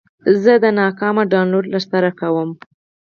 زه د ناکام ډاونلوډ له سره کوم.